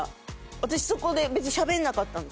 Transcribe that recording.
私そこでしゃべんなかった。